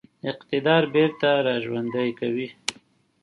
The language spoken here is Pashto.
اقتدار بیرته را ژوندی کوي.